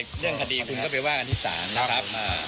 เรื่องคดีคุณก็ไปว่ากันที่ศาลนะครับ